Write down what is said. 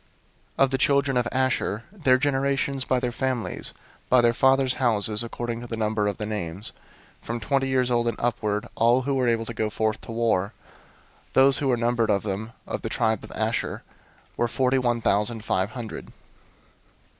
001:040 Of the children of Asher, their generations, by their families, by their fathers' houses, according to the number of the names, from twenty years old and upward, all who were able to go forth to war; 001:041 those who were numbered of them, of the tribe of Asher, were forty one thousand five hundred.